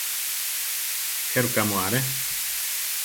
¿Jéruka mu aré?